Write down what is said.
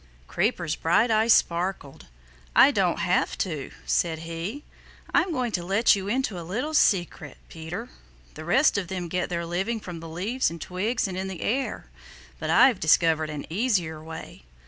Creeper's bright eyes sparkled. "I don't have to," said he. "I'm going to let you into a little secret, Peter. The rest of them get their living from the leaves and twigs and in the air, but I've discovered an easier way.